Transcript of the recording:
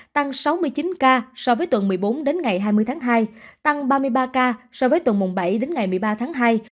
tăng sáu mươi chín ca so với tuần một mươi bốn đến ngày hai mươi tháng hai tăng ba mươi ba ca so với tuần bảy đến ngày một mươi ba tháng hai